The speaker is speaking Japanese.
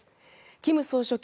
金総書記